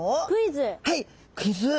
はいクイズ。